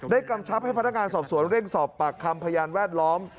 กำชับให้พนักงานสอบสวนเร่งสอบปากคำพยานแวดล้อม